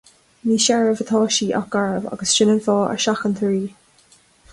Ní searbh atá sí ach garbh agus sin an fáth a seachantar í